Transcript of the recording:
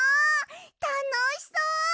たのしそう！